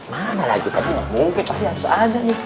mana lah itu pak deh